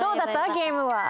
ゲームは。